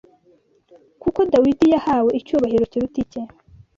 kuko Dawidi yahawe icyubahiro kiruta icye